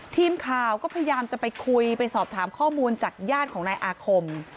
ทีมข่าวก็พยายามจะไปคุยไปสอบถามข้อมูลจากญาติของนายอาคม